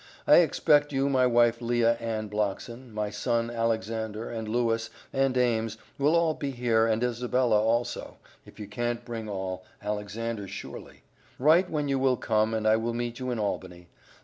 I expect you my wife Lea Ann Blockson, my son Alexander & Lewis and Ames will all be here and Isabella also, if you cant bring all bring Alexander surely, write when you will come and I will meet you in Albany.